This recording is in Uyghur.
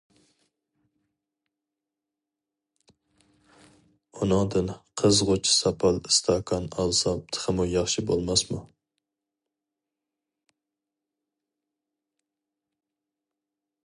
ئۇنىڭدىن قىزغۇچ ساپال ئىستاكان ئالسام تېخىمۇ ياخشى بولماسمۇ!